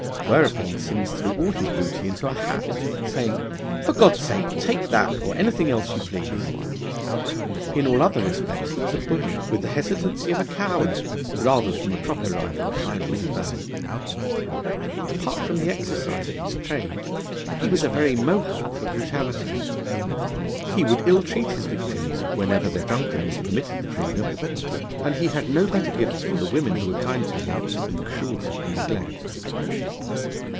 Whereupon Simms threw all his booty into a hat, saying, 'For God's sake, take that or anything else you please.' In all other respects he was a bully, with the hesitancy of a coward, rather than the proper rival of Hind or Duval. Apart from the exercise of his trade, he was a very Mohock for brutality. He would ill treat his victims, whenever their drunkenness permitted the freedom, and he had no better gifts for the women who were kind to him than cruelty and neglect.